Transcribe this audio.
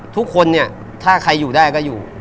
ทุกคนเนี่ยถ้าใครอยู่ได้ก็อยู่